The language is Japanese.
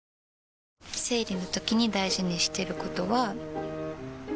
生理のときに大事にしてることは。